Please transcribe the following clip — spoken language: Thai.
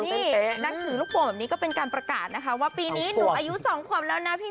นี่นับถือลูกโป่งแบบนี้ก็เป็นการประกาศนะคะว่าปีนี้หนูอายุ๒ขวบแล้วนะพี่